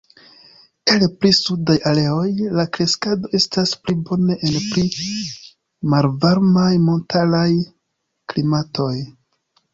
En pli sudaj areoj, la kreskado estas pli bone en pli malvarmaj montaraj klimatoj.